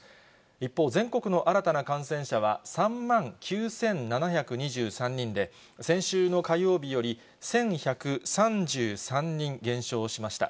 一方、全国の新たな感染者は３万９７２３人で、先週の火曜日より１１３３人減少しました。